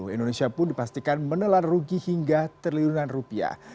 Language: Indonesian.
indonesia pun dipastikan menelan rugi hingga triliunan rupiah